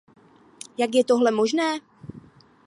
Jak je tohle možné?